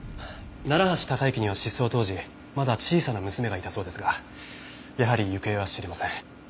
楢橋高行には失踪当時まだ小さな娘がいたそうですがやはり行方は知れません。